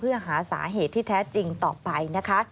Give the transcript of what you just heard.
เพื่อหาสาเหตุที่แท้จริงต่อไปนะคะ